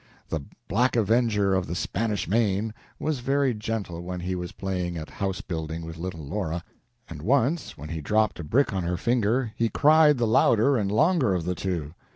The "Black Avenger of the Spanish Main" was very gentle when he was playing at house building with little Laura, and once, when he dropped a brick on her finger, he cried the louder and longer of the two.